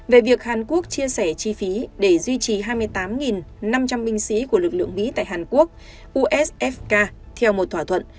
về việc hàn quốc chia sẻ chi phí để duy trì hai mươi tám năm trăm linh binh sĩ của lực lượng mỹ tại hàn quốc usfk theo một thỏa thuận